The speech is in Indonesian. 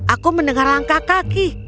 aku mendengar langkah kaki